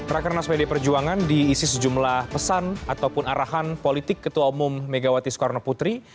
rakernas pd perjuangan diisi sejumlah pesan ataupun arahan politik ketua umum megawati soekarno putri